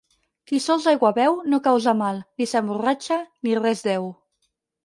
Qui sols aigua beu, no causa mal, ni s'emborratxa, ni res deu.